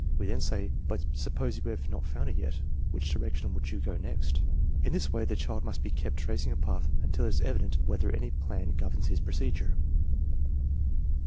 We then say: "But suppose you have not found it yet. Which direction would you go next ?" In this way the child must be kept tracing a path until it is evident whether any plan governs his procedure.